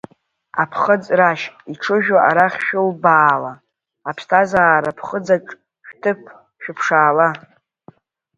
Аԥхыӡ рашь иҽыжәу арахь шәылбаала, аԥсҭазаара ԥхыӡаҿ шәҭыԥ шәыԥшаала.